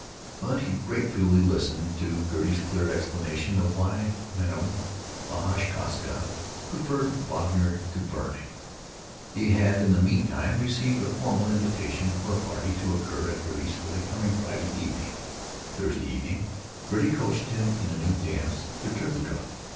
But he gratefully listened to Gertie's clear explanation of why Mme. Vashkowska preferred Wagner to Verdi. He had, in the mean time, received a formal invitation for a party to occur at Gertie's the coming Friday evening. Thursday evening Gertie coached him in a new dance, the turkey trot.